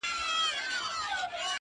د جینکیو ارمان څۀ ته وایي,